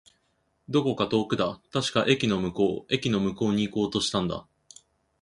どこか遠くだ。確か、駅の向こう。駅の向こうに行こうとしたんだ。